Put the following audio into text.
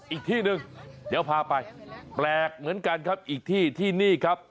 อีกที่หนึ่งเดี๋ยวพาไปแปลกเหมือนกันครับอีกที่ที่นี่ครับ